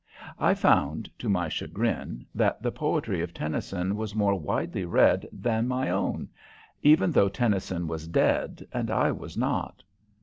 I found, to my chagrin, that the poetry of Tennyson was more widely read even than my own, even though Tennyson was dead and I was not.